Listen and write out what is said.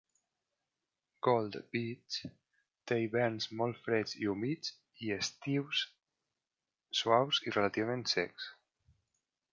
Gold Beach té hiverns molt freds i humits i estius suaus i relativament secs.